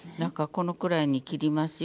このくらいに切りますよ。